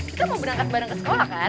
kita mau berangkat bareng ke sekolah kan